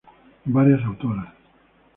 Varias autoras.